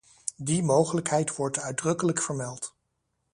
Die mogelijkheid wordt uitdrukkelijk vermeld.